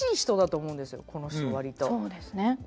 そうですね。